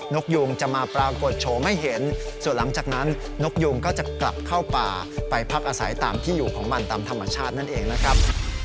กยูงจะมาปรากฏโฉมให้เห็นส่วนหลังจากนั้นนกยูงก็จะกลับเข้าป่าไปพักอาศัยตามที่อยู่ของมันตามธรรมชาตินั่นเองนะครับ